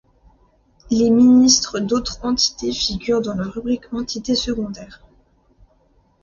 Les ministres d’autres entités figurent dans la rubrique entités secondaires.